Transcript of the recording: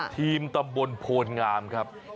ทีมตำบลโพลงามครับ